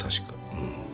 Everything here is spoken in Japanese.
うん。